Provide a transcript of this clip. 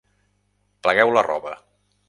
Plegueu la roba.